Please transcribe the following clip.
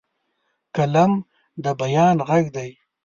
قلم د بیان غږ دی